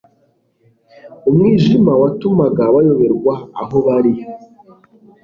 Umwijima watumaga bayoberwa aho bari,